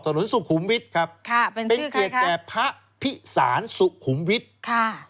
สุขุมวิทย์ครับค่ะเป็นเกียรติแก่พระพิสารสุขุมวิทย์ค่ะ